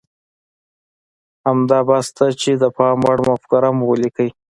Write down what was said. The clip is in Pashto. همدا بس ده چې د پام وړ مفکوره مو وليکئ.